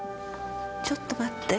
ちょっと待って。